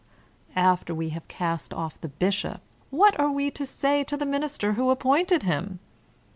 After we have cast off the bishop, what are we to say to the Minister who appointed him?